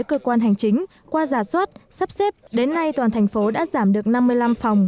cơ quan hành chính qua giả soát sắp xếp đến nay toàn thành phố đã giảm được năm mươi năm phòng